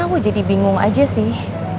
aku jadi bingung aja sih